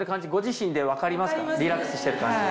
リラックスしてる感じ。